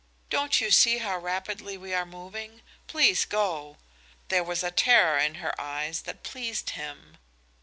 "Don't you see how rapidly we are moving? Please go!" There was a terror in her eyes that pleased him.